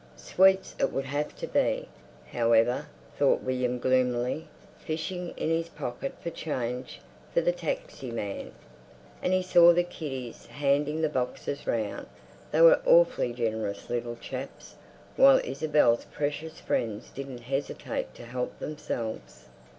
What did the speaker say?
Sweets it would have to be, however, thought William gloomily, fishing in his pocket for change for the taxi man. And he saw the kiddies handing the boxes round—they were awfully generous little chaps—while Isabel's precious friends didn't hesitate to help themselves....